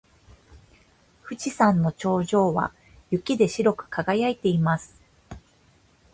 富士山の頂上は雪で白く輝いています。